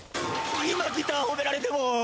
今ギター褒められても！